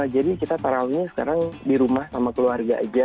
jadi kita tarawihnya sekarang di rumah sama keluarga aja